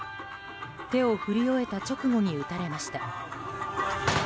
手を振り終えた直後に撃たれました。